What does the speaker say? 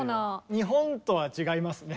日本とは違いますね。